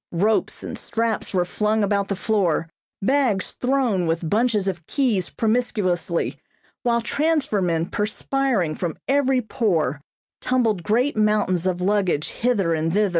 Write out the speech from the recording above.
Ropes and straps were flung about the floor, bags thrown with bunches of keys promiscuously, while transfer men perspiring from every pore tumbled great mountains of luggage hither and thither.